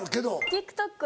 ＴｉｋＴｏｋ